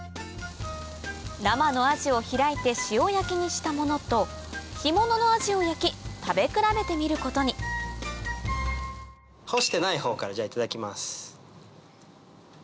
生のアジを開いて塩焼きにしたものと干物のアジを焼き食べ比べてみることに干してないほうからじゃあいただきます。